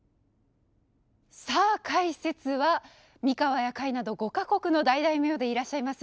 さあ解説は三河や甲斐など５か国の大大名でいらっしゃいます